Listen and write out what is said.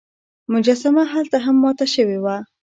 مجسمه هلته هم ماته شوې وه.